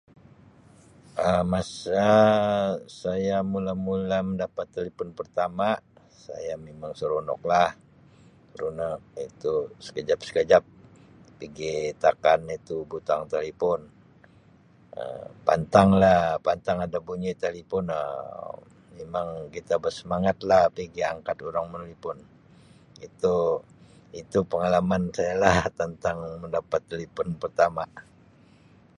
Um Masa saya mula-mula mendapat telipon pertama, saya mimang seronoklah. Seronok itu sekejap-sekejap pigi tekan itu butang talipon Um pantanglah, pantang ada bunyi telipon Um mimang kita bersemangatlah pigi angkat urang menelipon. Itu-itu pengalaman saya lah tentang mendapat telipon pertama.